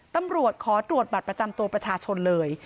ตำรวจขอตรวจบัตรประจำตัวประชาชนเลย